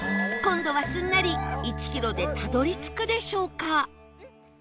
今度はすんなり１キロでたどり着くでしょうか？